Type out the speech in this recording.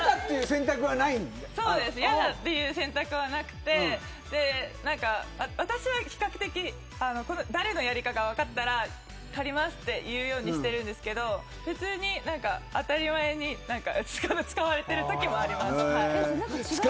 嫌だという選択はなくて私は比較的誰のやりかが分かったら借りますって言うようにしてるんですけど当たり前に使われているときもあります。